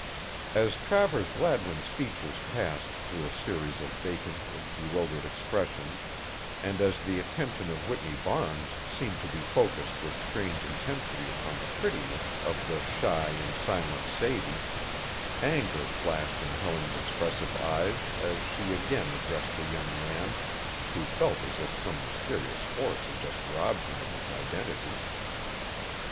As Travers Gladwin's features passed through a series of vacant and bewildered expressions and as the attention of Whitney Barnes seemed to be focussed with strange intensity upon the prettiness of the shy and silent Sadie, anger flashed in Helen's expressive eyes as she again addressed the young man, who felt as if some mysterious force had just robbed him of his identity.